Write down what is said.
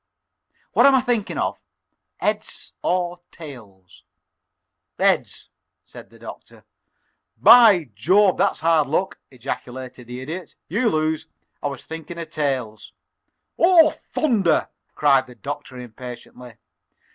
What am I thinking of, heads or tails?" "Heads," said the Doctor. "By Jove, that's hard luck!" ejaculated the Idiot. "You lose. I was thinking of tails." "Oh, thunder!" cried the Doctor, impatiently.